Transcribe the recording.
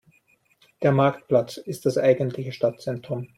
Der Marktplatz ist das eigentliche Stadtzentrum.